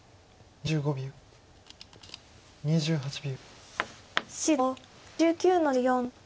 ２８秒。